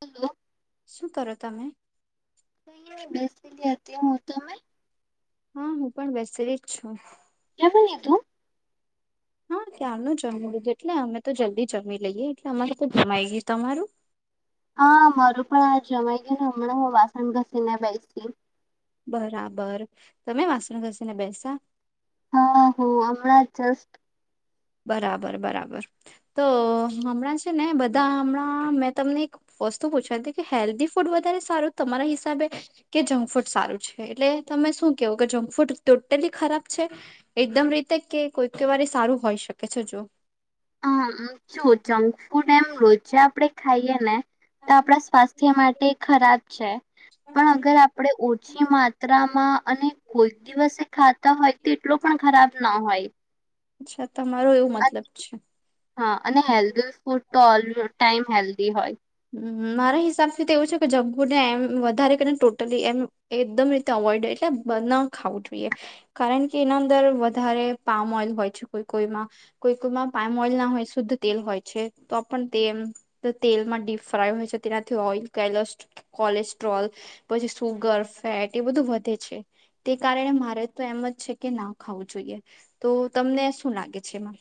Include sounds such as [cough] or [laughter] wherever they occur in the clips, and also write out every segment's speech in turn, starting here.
Hello. શું કરો તમે. કઈ ની બેસી રિયા અત્યારે હું તમે. હા હું પણ બેસેલી જ છું. જમી લીધું. હા ક્યારનું જમી લીધું એટલે અમે તો જલ્દી જમી લઈએ એટલે અમારે તો જમાઈ ગ્યું નેતમારું. હા મારું પણ આ જમાઈ ગ્યું ને હમણાં હું વાસણ ઘસીને બેસી. બરાબર તમે વાસણ ઘસીને બેસા. હો હમણાં જસ્ટ. બરાબર બરાબર તો હમણાં છે ને બધા હમણાં મેં તમને વસ્તુ પૂછવાતી કી હેલ્થી ફૂડ વધારે સારું તમારા હિસાબે કે જંક ફૂડ સારું છે, એટલે તમે શું કેવો કે જંક ફૂડ ટોટલી ખરાબ છે. એકદમ રીતે કે કોય ક વાર એ સારું હોઈ શકે છે જો. અ અમ્મ જો જંક ફૂડ એમ રોજે આપળે ખાઈએ ને તો આપળા સ્વાસ્થ્ય થ્ય માટે ખરાબ છે પણ અગર આપળે ઓછી માત્રામાં અને કોઈ દિવસે ખાતાં હોય તો એટલો પણ ખરાબ ના હોય. અચ્છા તમારું એવું મતલબ છે. હા અને હેલ્ધી ફૂડ તો ઓલ ટાઈમ હેલ્ધી હોય. હમ્મ હમ, મારા હિસાબથી તો એવું છે કે જંક ફૂડ ને એમ વધારે કરીને ટોટલી એમ એકદમ રીતે અવોઇડ એટલે બનાવું નેખાવું જોઈએ. કારણ કે એના અંદર વધારે પામન હોય છે કોઈ કોઈમાં કોઈ કોઈમાં પામન ઓઈલ ના હોય શુદ્ધ તેલ હોય છે, તો પણ તે એમ તેલમાં દિપ ફ્રાય હોય છે તેનાથી ઓઈલ કેલોસ્ટ કોલેસ્ટ્રોલ, પછી સુગર, ફેટ એ બધું વધે છે. તે કારણે મારે તો એમ જ છે કે ના ખાવું જોઈએ, તો તમને શું લાગે છે એમાં.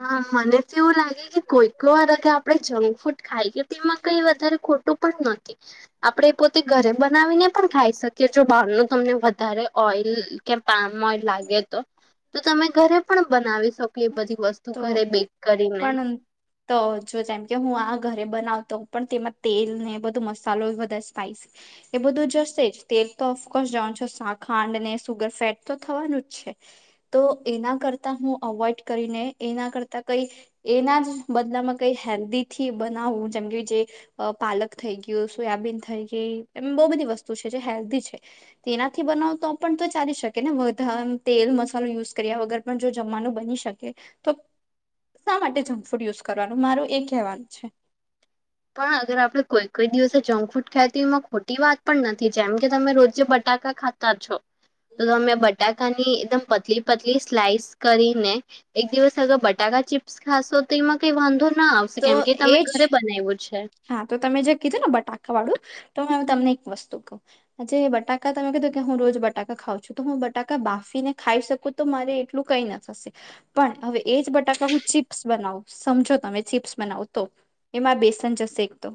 હા, મને તો એવું લાગે કે કોઈક વાર કે આપડ જંક ફૂડ ખાઈકે તોમાં કઈ વધારે ખો ટું પણ નથી. આપડે પોતે ઘરે બનાવીને પણ ખાઈ શકીએ જો બહારનું તમને વધારે ઓઈલ કે પામ ઓઈલ લાગે તો, તો તમે ઘરે પણ બનાવી શકો એ બધી વસ્ તો પણ તો જો જેમ કે હું આ ઘરે બનાવ તો પણ તેમાં તેલ ને એ બધું મસાલો વધાર સ્પાઈસી એ બધું જશે જ. તેલ તો ઓફકોર્સ જવાન છે શા ખાંડને સુગર સેટ તો થવાનું છે તો એના કરતા હું અવોઈડ કરીને, એના કરતા કઈ એના જ બદલામાં કઈ હેલ્દીથી બનાવું જેમ કે જે અ પાલક થઈ ગ્યું, સોયાબીન થઈ ગઈ એમ બો બધી વસ્તુ છે જે હેલ્દી છે. તેનાથી બનાઉ તો પણ તો ચાલી શકે ને વધા આમ તેલ મસાલો યુઝ કર્યા વગર પણ જો જમવાનું બની શકે, તો શા માટે જંક ફૂડ યુઝ કરવાનું મારું એ કેવાનું છે. પણ અગર આપળે કોઈ કોઈ દિવસે જંક ફૂડ ખાય તો એમાં ખોટી વાત પણ નથી જેમ કે તમે રોજે બટાકા ખાતા છો, તો તમે બટાકાની એકદમ પતલી પતલી સ્લાઈસ કરીને એક દિવસ અગ બટાકા ચિપ્સ ખાસો તો એમાં કઈ વાંધો ના આ શકે તો કેમ કે એ તમે એજ ઘરે બનાઈવો છે. હા, તો તમે જે કીધું ને બટાકા વાડુ તો મેં હવે તમને એક વસ્તુ કઉ આ જે બટાકા તમે કીધું કે હું રોજ બટાકા ખાઉ છું તો હું બટાકા બાફીને ખાઈ શકું તો મારે એટલું કઈ ના થશે, પણ હવે એજ બટાકા હું ચીપ્સ બનાવું સમજો તમે ચીપ્સ બનાવું તો એમાં બેસન જશે એક તો.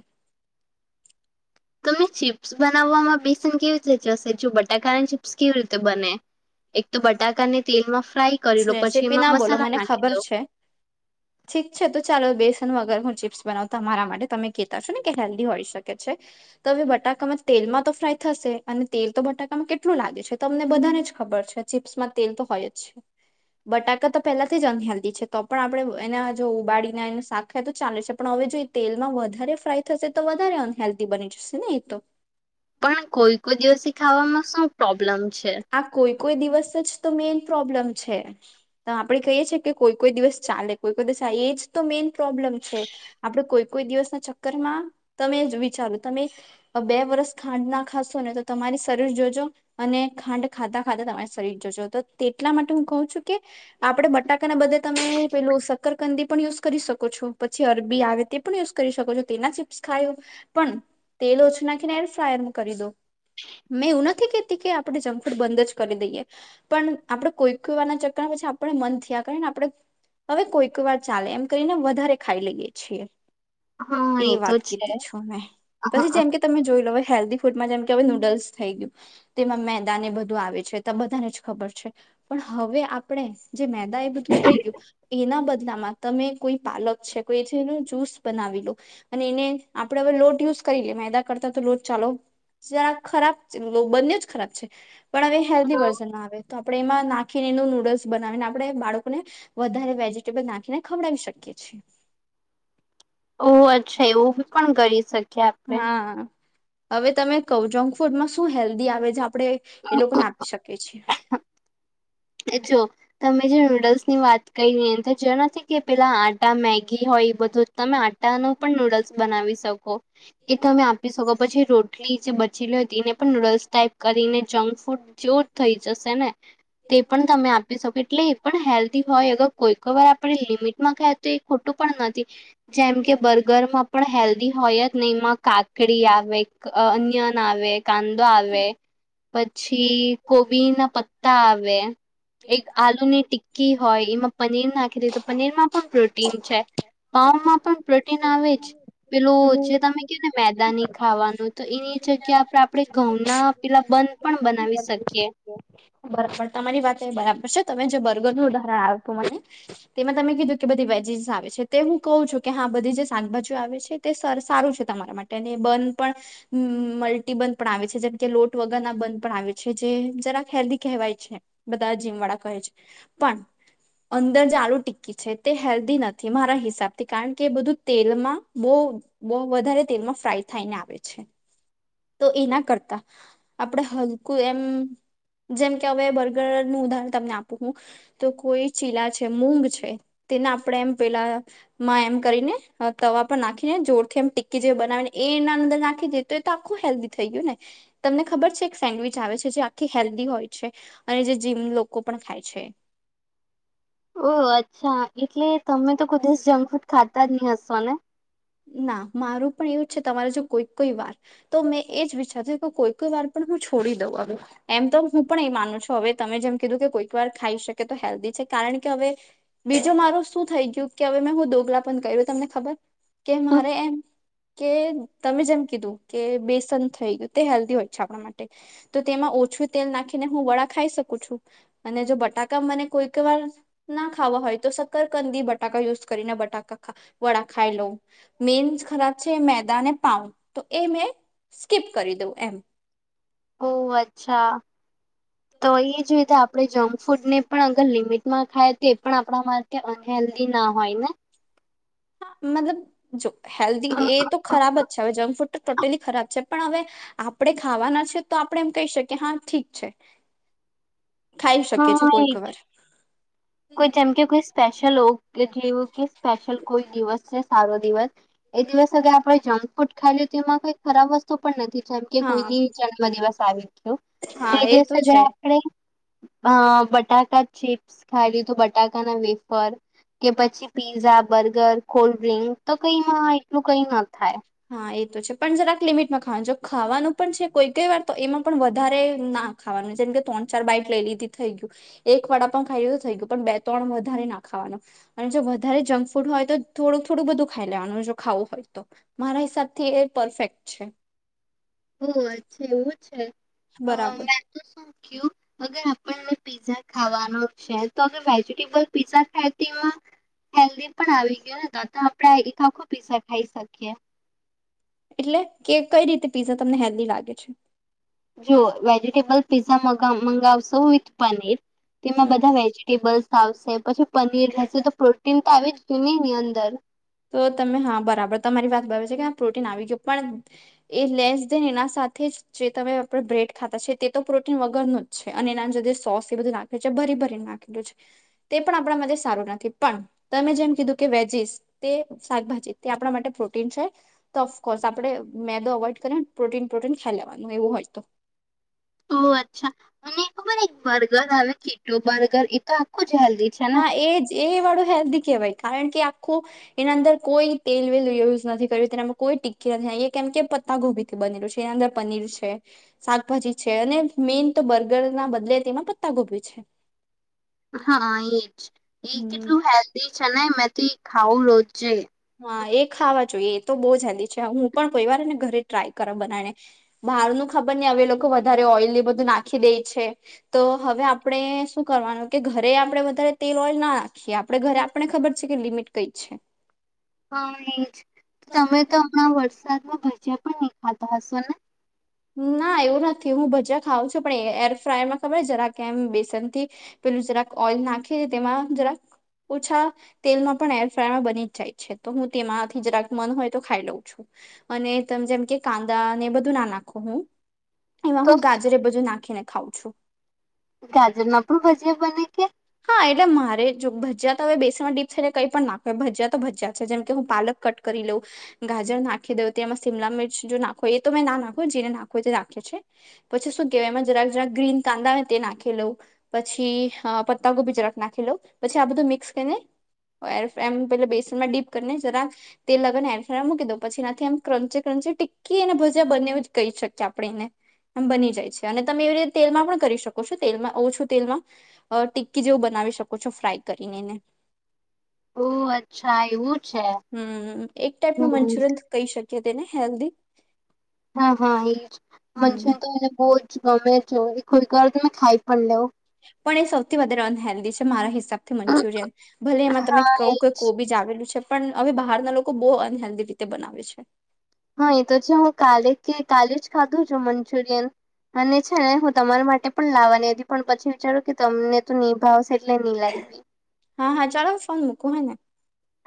તમે ચીપ્સ બનાવામાં બેસન કેવી રીતે જશે જો બટાકાની ચીપ્સ કેવી રીતે બને એક તો બટાકાને તેલમાં ફ્રાય કરી લો, પછી રેસીપી એમાં ના મસાલા નાખી દો. છીક છે તો ચાલો બેસન વગર હું ચીપ્સ બનાવ તમારા માટે તમે કેતા છો ને કે હેલ્ધી હોઈ શકે છે તો હવે બટાકામાં તેલમાં તો ફ્રાય થશે અને તેલ તો બટાકામાં કેટલું લાગે છે તમને બધાને જ ખબર છે ચિપ્સમાં તેલ તો હોય જ. બટાકા તો પેલાથી જ ઉનહલ્દી છે તો પણ આપડે એને અ જો ઉબાડીને એન શાક ખાએ તો ચાલે છે પણ હવે જો એ તેલમાં વધારે ફ્રાય થશે તો વધારે અનહેલ્ધી બની જશે ને એ તો. પણ કોઈ કોઈ દિવસે ખાવામાં શું પ્રોબ્લેમ છે. આ કોઈ કોઈ દિવસ જ તો મેઈન પ્રોબ્લેમ છે. તો આપણે કહીએ છીએ કે કોઈ કોઈ દિવસ ચાલે કોઈ કોઈ દિવસ એજ તો મેઈન પ્રોબ્લેમ છે. આપડે કોઈ કોઈ દિવસના ચક્કરમાં તમે જ વિચારો તમે બે વરસ ખાંડ ના ખાશો ને તો તમારી શરીર જોજો અને ખાંડ ખાતા ખાતા તમારા શરીર જોજો તો તેટલા માટે હું કઉ છું કે આપડે બટાકા ના બધે તમે પેલું શક્કરકંદી પણ યુઝ કરી શકો છો પછી અરબી આવે તે પણ યુઝ કરી શકો છો તેના ચીપ્સ ખાયું પણ તેલ ઓછું નાખીને એર ફ્રાયરમ કરી દો મેં એવું નથી કેતી કે આપડે જંક ફૂડ બંધ જ કરી દઈએ પણ આપડે કોઈ કોઈ વારના ચકરમાં પછી આપણને મન થયા કરે ને આપડે હવે કોઈક વાર ચાલે એમ કરીને વધારે ખાઈ લઈએ છીએ. હા એ તો વાત છે કીધી છું મેં હ પછી જેમ કે તમે જોઈ લો હવે હેલ્ધી ફૂડમાં જેમ કે હવે નૂડલ્સ થઈ ગયું તેમાં મેં દાને બધું આવે છે તો બધા ને જ ખબર છે, પણ હવે આપણે જે મેદા એ થઈ ગયું એના બદલામાં તમે કોઈ પાલક છે કોઈ જેનું જૂસ બનાવી લો અને એને આપડે હવે લોટ યુઝ કરી લીએ મેદા કરતા તો લોટ ચાલો જરા ખરાબ ખરાબ છે બંને જ ખરાબ છે, પણ હ હેલ્ધી વર્ઝનમાં આવે તો આપણે એમાં નાખીને એનું નૂડલ્સ બનાવીને આપણે બાળકોને વધારે વેજીિટેબલ નાખીને ખવડાવી શકીએ છીએ ઓ અચ્છા એવું પણ કરી શકીએ આપણે હા હવે તમે [unintelligible] જંક ફૂડમાં શું હેલ્ધી આવે છે આપડે એ લોકોને આપી શકીએ છીએ એ જો તમે જે નૂડલ્સની વાત કરી જેનાથી કે પેલા આટા મેગી હોય બધું તમે આ આટાનું પણ નૂડલ્સ બનાવી શકો એ તમે આ આપી સકો પછી રોટલી જે બચેલી હોય તેને પણ નૂડલ્સ ટાઈપ કરીને જંક ફૂડ જ્યોત થઈ જશે ને તે પણ તમે આપી શકો એટલે એ પણ હેલ્ધી હોય અગર કોઈ વાર આપડે લિમિટમાં ખાય તો એ ખોટું પણ નથી જેમ કે બર્ગરમાં પણ હેલ્ધી હોય જ નઈ એમાં કાકડી આવે અન્યન આવે કાંદો આવે પછી કોબી ના પ ત્તા આવે એક આલુની ટીકી હોય એમાં પનીર નાખી દઈ તો પનીરમાં પણ પ્રોટીન છે પાાવમાં પણ પ્રોટીન આવે જ પેલુ જે તમે કીધુ ને મેદાની ખાવાનું તો એની એ જગ્યા આપણેે ઘઉંના પેલા [unintelligible] પણ બનાવી શકીએ [unintelligible] બરાબર તમારી વાત એ બરાબર છે તમે જે બર્ગરનું ઉદાહરણ આપ્યું મને તેમાં તમે કીધું કે બધી વેજીસ આવે છે તે હું કઉું છું કે હા બધી જે શાકભાજીઓ આવે છે. તે સર સારું છે તમારા માટે અને [unintelligible] પણ મલ્ટીબંધ પણ આવે જેમ કે લોટ વગરના બંધ પણ આવે છે જે જરા હેલ્ધી કહેવાય છે બધા જીમ વાળા કહે છે પણ અંદર જે આલુ ટિક્કી છે તે હેલ્ધી નથી મારા હિસાબથી કારણ કે એ બધું તેલમાં બહુ બહુ વધારે તેલમાં ફ્રાય થાયને આવે છે. તો એ ના કરતા આપડે હલકું એમ જેમ કે હવે બર્ગરનું ઉદાહરણ તમને આપું હું તો કોઈ ચીલા છે મૂંગ છે તેને આપણે એમ પેલા માં એમ કરીને તવા પણ નાખીને જોરથી એમ ટીકી જેવુ બનાવીને એના અંદર નાખી દઇ તે તો આખું હેલ્ધી થઈ ગયું ને તમને ખબર છે એક સેન્ડવીચ આવે છે જે આખી હેલ્ધી હોય છે અને જે જીમ લોકો પણ ખાય છે. ઓહ અચ્છા એટલે તમે તો કોઇ જંક ફૂડ ખાતા જ ની હસો ને ના મારું પણ એવું છે. તમારે જો કોઈક કોઈ વાર તો મેં એ જ વિચારતી કે કોઈ કોઈ વાર પણ હું છોડી દઉં હવે એમ તો હું પણ એ માનું છું હવે તમે જેમ કીધું કે કોઈક વાર ખાઈ શકે તો હેલ્ધી છે કારણ કે હવે બીજું મારું શું થઈ ગયું કે હવે મેં હું દોગલા પણ કર્યું તમને ખબર કે મારે એમ કે તમે જેમ કીધું કે બેસન થઈ ગયું તે હેલ્ધી હોય છે, આપણા માટે તો તેમાં ઓછું તેલ નાખીને હું વડા ખાઈ શકું છું અને જો બટાકા મને કોઈક વાર ના ખાવા હોય તો સક્કરકંદી બટાકા યુઝ કરીને બટાકા વડા ખાઈ લઉ મેન ખરાબ છે મેદા ને પાઉ તો એ મેં સ્કીપ કરી દઉં એમ ઓહ અચ્છા તો એ જ રીતે આપણે જંકફૂડને પણ અગર લિમિટમાં ખાય તો એ પણ આપણામાં કે અનહેલ્ધી ના હોય ને હા મતલબ જો હેલ્ધી એ તો ખરાબ જ છે હવે જંક ફૂડ તો ટોટલી ખરાબ છે. પણ હવે આપણે ખાવાના છે. તો આપણે એમ કહી શકીએ હા ઠીક છે. ખાઈ શકીએ છે હા એ કોઈક જ વાર કોઈ [unintelligible] સ્પેશલ [unintelligible] જેવું કે સ્પેશિલ કોઈ દિવસ છે સારું દિવસ એ દિવસ આપણે જમ ફૂડ ખાઈ લીધું તો એમાં કઈ ખરાબ વસ્તુ પણ નથી જેમ કે હા કોઈની જન્મદિવસ આવી ગયો તે હા એ દિવસે તો છે. [unintelligible] આપણે જ અ બટાકા ચીપ્સ ખાય લીધું બટાકા ના વેફર કે પછી પીઝા બર્ગર કોલ્ડ્રિંક તો કઈમાં એટલું કઈ ન થાય હા એ તો છે. પણ જરા આ લિમિટમાં ખાવાનું જો ખાવાનું પણ છે. કોઈ કઈ વાર તો એમાં પણ વધારે ના ખાવાનું છે. જેમ કે ત્રણ ચાર બાઈટ લઈ લીધી થઈ ગયું. એક વડાપાઉં પણ ખાઈ તો થઈ ગયું પણ બે ત્રણ વધારે ના ખાવાના. અને જો વધારે જંક ફૂડ હોય તો થોડુંક થોડું બધું ખાઈ લેવાનું જો ખાવું હોય તો મારા હિસાબ થી એ પરફેક્ટ છે. ઓ અચ્છા એવું છે. બરાબર મેં તો શું કર્યું અગર આપણ પીઝા ખાવાનો છે. તો વેજીિટેબલ પીઝા ખાય તેમાં. હેલ્દી પણ આવી ગયો ને તો તો આપણે એક આખો પીઝા ખાઈ શકીએ એટલે કે કઈ પીઝા તમને હેલ્દી લાગે છે. જો વેજીટેબલ પીઝા મગાવશો વિથ પનીર તેમાં હમ. બધા વેજ [unintelligible] આવશે પછી પનીર રહેશે તો પ્રોટીન તો આવી જ ગયું ને એની અંદર અંદર તો તમે હા બરાબર તમારી વાત બરાબર છે કે પ્રોટીન આવી ગયું પણ એ લેશ દેન એના સાથે જે તમે આપણે બ્રેડ ખાતા છે. તે તો પ્રોટીન વગરનું જ છે. અને એના અંદર જો સોસ એ બધું લાગે ભરી ભરી નાખેલુ છે. તે પણ આપણા માટે સારું નથી પણ તમે જેમ કીધું કે વેજીસ તે શાકભાજી તે આપણા માટે પ્રોટીન છે તો ઓફકોર્સ આપણેે મેદો અવોઇડ કરીને પ્રોટીન પ્રોટીન ખાઈ લેવાનું એવું હોય તો. તો અચ્છા અને ખબર એક બર્ગર આવે કીટો બર્ગર એ તો આખું જ હલ્દી હા એજ એ વાળું હેલ્દી કહેવાય કારણ કે આખો એના અંદર કોઈ તેલ વેલ યુઝ નથી કર્યું તેનામાં કોઈ ટીકી નથી આ કેમ કે પત્તા ગોબી થી બનેલું છે. એ અંદર પનીર છે. શાકભાજી છે. અને મેન તો બર્ગર ના બદલે તેમાં પત્તા ગોભી છે. હા એજ એ હમ. કેટલું હેલ્દી છે. ને મેં તો ખાવું રોજે હા એ ખાવા જોઈએ એ તો બહુ જ હેલ્દી છે હું પણ કોઈ વાર ને ઘરે ટ્રાય કર બનાને.. બહાર નું ખબર નહી હવે લોકો વધારે ઓઇલ બધું નાખી દે છે. તો હવે આપણે શું કરવાનું કે ઘરે આપણે વધારે તેલ ઓઇલ ના નાખીએ આપ આપણે ઘરે આપણને ખબર છે. કે લિમિટ કઈ છે. હા એ જ તમે તો હમણાં વરસાદમાં ભજીયા પણ નહી ખાતા હશો ને? ના એવું નથી હું ભજીયા ખાઉં છું પણ એરફ્રાયમાં ખબર જરા કે એમ બેસન થી પેલું જરાક ઓઈલ નાખે તેમાં જરાક ઓછા તેલમાં પણ એરફ્રાયમાં બની જ જાય છે તો હું તેમાંથી જરાક મન હોય તો ખાઈ લઉં છું. અને તમે જેમ કે કાંદા ને એ બધું ના નાખ [unintelligible] હું એમાં તો હું ગાજરે બધું નાખીને ખાઉ છું. ગાજર ના પણ ભજીયા બને કે? હા એટલે મારે જો ભજીયા તો હવે બેસન ડીપ્ એટલે કંઈ પણ નાખો ભજીયા તો ભજીયા છે જેમ કે હું પાલક કટ કરી લઉ ગાજર નાખી દઉ તે એમાં શિમલા મિર્ચ જો ના ખોવો હોય એ તો મેં ના નાખુ જે ને નાખો હોય તે નાખે છે. પછી શું કહેવાય એમાં જરાક જરાક ગ્રીન કાંદા હોય તે નાખી લઉં પછી હા પત્તા ગોભી જરાક નાખી લઉ પછી આ બધું મિક્સ કરીને એર ફ્રેમ પેલા બેસન માં ડીપ કરીને જરાક તે લગન એર ફ્રેમ મૂકી દઉં પછી એનાથી આમ ક્રંચે ક્રંચે ટીક્કી અને ભજીયા બને એ જ કહી શકીએ આપણે એને આમ બની જાય છે અને તમે એવી રીતે તેલમાં પણ કરી શકો છો તેલમાં ઓછું તેલમાં અ ટી ટીક્કી જેવું બનાવી શકો છો ફ્રાય કરીને એને ઓહ અચ્છા એવું છે હમ્મ એક ટાઈપનું હમ મંચુરિયન કહી શકીએ તેને હેલ્ધી હા હા એ જ હમ્મ. મંચુરિયન તો મને બહુ જ ગમે છે એ કોઈક વાર તમે ખાઈ પણ લ્યો પણ એ સૌથી વધારે અન હેેલ્ધી છે મારા હિસાબથી મંચુરિયન. ભલે એમાં તમે કઉ કે હા કોબી જ આવેલું છે પણ હવે બહારના લોકો બહુ અનહેલ્ધી રીતે બનાવે છે. હા એ તો છે હું કાલે કે કાલે જ ખાધું છે મંચુરિયન. અને છે ને હું તમારા માટે પણ લાવવાની હતી પણ પછી વિચારું કે તમને તો નહી ભાવશે. એટલે નહી લાવી હા હા ચાલો ફોન મૂકું હે ને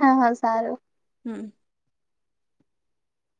હા હા સારું. હમ્મ.